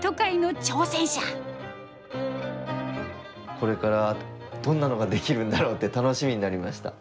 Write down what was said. これからどんなのができるんだろうって楽しみになりました。